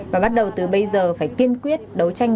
và bắt đầu từ bây giờ phải kiên quyết đấu tranh